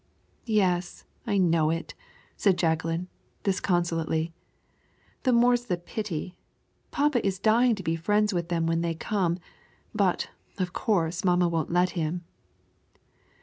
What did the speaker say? "Yes, I know it," said Jacqueline, disconsolately. "The more's the pity. Papa is dying to be friends with them when they come; but, of course, mamma won't let him."